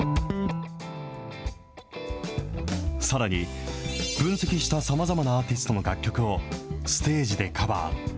さらに、分析したさまざまなアーティストの楽曲をステージでカバー。